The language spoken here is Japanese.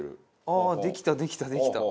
ああできたできたできた。